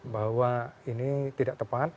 bahwa ini tidak tepat